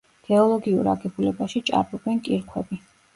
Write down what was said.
გეოლოგიურ აგებულებაში ჭარბობენ კირქვები.